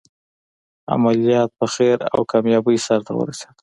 عملیات په خیر او کامیابۍ سرته ورسېدل.